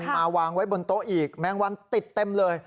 มาวางไว้บนโต๊ะอีกแมงวันติดเต็มเลย